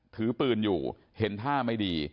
ถือปืนอยู่เห็นท่าไม่ดี